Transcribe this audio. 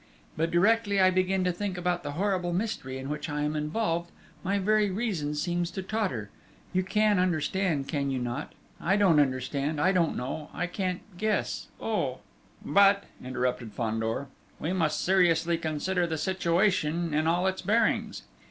But directly I begin to think about the horrible mystery in which I am involved, my very reason seems to totter you can understand that, can you not? I don't understand, I don't know, I can't guess ... oh!..." "But," interrupted Fandor, "we must seriously consider the situation in all its bearings.